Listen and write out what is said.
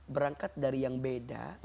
berangkat dari yang beda